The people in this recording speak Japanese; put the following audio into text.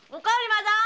まだ⁉